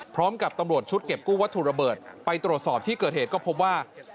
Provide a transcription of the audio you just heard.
พร้อมกับตำรวจชุดเก็บกู้วัตถุระเบิดไปตรวจสอบที่เกิดเหตุก็พบว่า